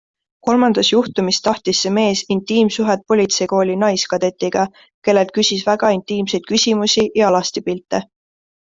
Kolmandas juhtumis tahtis see mees intiimsuhet politseikooli naiskadetiga, kellelt küsis väga intiimseid küsimusi ja alastipilte.